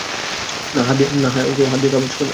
না, হাত দিয়ে খাবার ছোঁবে না।